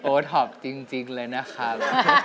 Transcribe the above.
โอ้ท็อปจริงเลยนะครับ